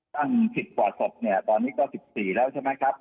ตั้งผิดปวดศพตอนนี้ก็๑๔แล้วใช่ไหมครับ